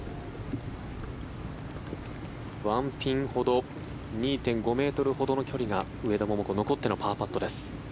１ピンほど２．５ｍほどの距離が上田桃子、残ってのパーパットです。